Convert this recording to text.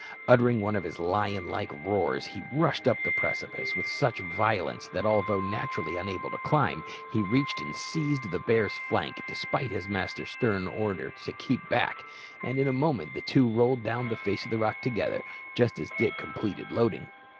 Uttering one of his lion like roars, he rushed up the precipice with such violence that, although naturally unable to climb, he reached and seized the bear's flank, despite his master's stern order to "keep back," and in a moment the two rolled down the face of the rock together, just as Dick completed loading.